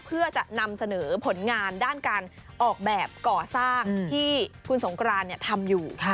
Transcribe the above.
เพื่อจะนำเสนอผลงานด้านการออกแบบก่อสร้างที่คุณสงกรานทำอยู่